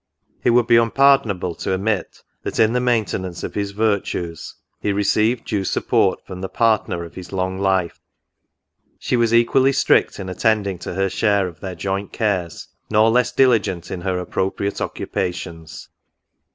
— It would be unpardonable to omit that, in the maintenance of his virtues, he received due sup port from the Partner of his long life. She was equally strict in attending to her share of their joint cares, nor less diligent in her appropriate occupations.